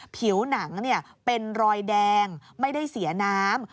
ผิวหนังเป็นรอยแดงไม่ได้เสียน้ำ